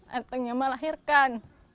yang akan saya lahirkan